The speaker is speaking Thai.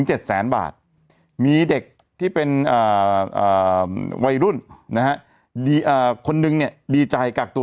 ยศพรรณหายล่ะ๑๗๐๐บาทมีเด็กที่เป็นวัยรุ่นคนหนึ่งในดีใจกักตัว